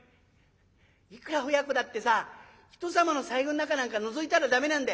「いくら親子だってさ人様の財布ん中なんかのぞいたら駄目なんだ。